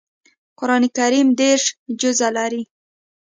قران کریم دېرش جزء لري